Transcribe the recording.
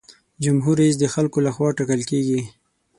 جمهور رئیس د خلکو له خوا ټاکل کیږي.